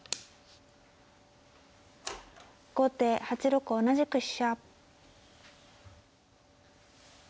後手８六同じく飛車。